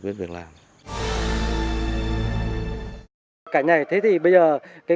quyết việc làm cả nhà thế thì bây giờ cái